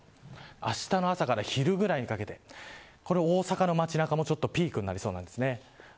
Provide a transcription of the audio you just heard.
明日の朝から昼ぐらいにかけて大阪の街中はピークになりそうなんですね。